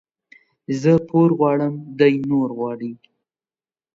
زه پور غواړم ، دى نور غواړي.